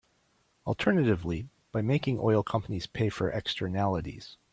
Alternatively, by making oil companies pay for externalities.